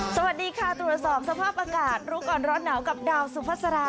สวัสดีค่ะตรวจสอบสภาพอากาศรู้ก่อนร้อนหนาวกับดาวสุภาษา